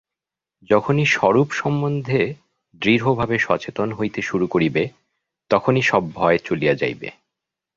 যখনই স্বরূপ সম্বন্ধে দৃঢ়ভাবে সচেতন হইতে শুরু করিবে, তখনই সব ভয় চলিয়া যাইবে।